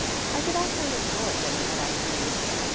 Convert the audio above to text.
I get awfully absorbed in what I read.